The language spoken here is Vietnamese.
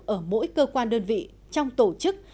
ở mỗi cơ quan đơn vị trong tổ chức